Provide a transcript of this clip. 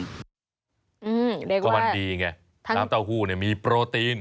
เพราะมันดีไงน้ำเต้าหู้เนี่ยมีโปรตีน